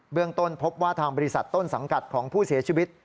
เรื่องต้นพบว่าทางบริษัทต้นสังกัดของผู้เสียชีวิต